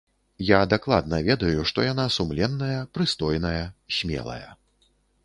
Я дакладна ведаю, што яна сумленная, прыстойная, смелая.